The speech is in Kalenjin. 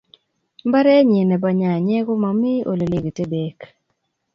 Mbarenyii nebo nyanyek komo mi Ole legiten beek